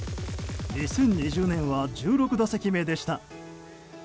２０２０年は１６打席目でした。